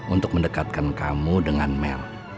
untuk mendekatkan kamu dengan mel